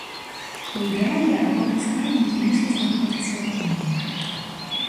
У ідэале абодва складнікі мусяць знаходзяцца ў гармоніі.